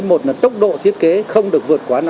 một là tốc độ thiết kế không được vượt qua